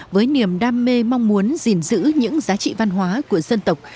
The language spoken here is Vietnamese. với niềm đam mê mong muốn gìn giữ những giá trị văn hóa của dân tộc